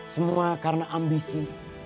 semua karena ambisi